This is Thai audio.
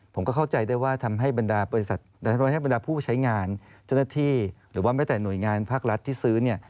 ผมก็เข้าใจได้ว่าทำให้บรรดาผู้ใช้งานจนที่หรือว่าไม่แต่หน่วยงานภาครัฐที่ซื้อ